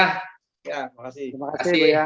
terima kasih buya